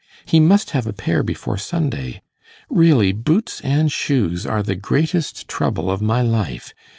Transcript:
He must have a pair before Sunday. Really, boots and shoes are the greatest trouble of my life.